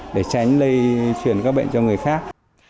để tránh lây chuyển các bệnh cho người khác